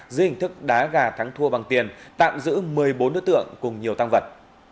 dưới hình thức đá gà thắng thua bằng tiền tạm giữ một mươi bốn đối tượng cùng nhiều tăng vật